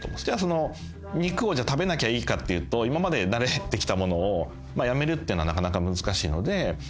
じゃあその肉を食べなきゃいいかっていうと今まで慣れてきたものをやめるっていうのはなかなか難しいので。